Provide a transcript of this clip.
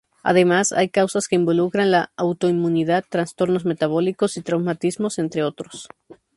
Además hay causas que involucran la autoinmunidad, trastornos metabólicos y traumatismos entre otros.